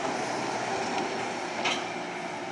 موږ باید د یو باثباته راتلونکي لپاره کار وکړو.